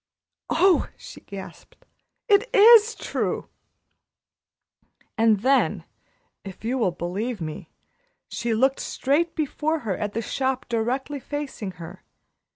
"Oh!" she gasped. "It is true!" And then, if you will believe me, she looked straight before her at the shop directly facing her.